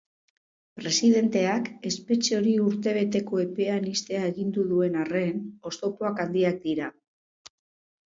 Presidenteak espetxe hori urtebeteko epean ixtea agindu duen arren, oztopoak handiak dira.